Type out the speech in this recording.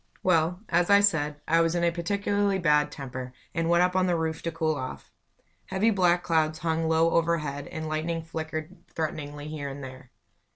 Well, as I said, I was in a particularly bad temper, and went up on the roof to cool off. Heavy black clouds hung low overhead, and lightning flickered threateningly here and there.